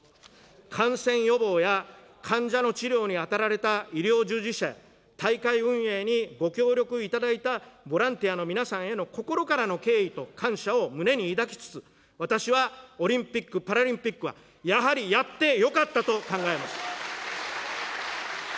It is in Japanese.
感染予防や患者の治療に当たられた医療従事者や大会運営にご協力いただいたボランティアの皆さんへの心からの敬意と感謝を胸に抱きつつ、私はオリンピック・パラリンピックはやはりやってよかったと考えます。